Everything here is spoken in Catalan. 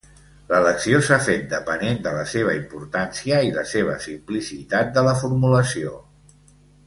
L'elecció s'ha fet depenent de la seva importància i la seva simplicitat de la formulació.